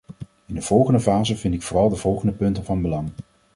In de volgende fase vind ik vooral de volgende punten van belang.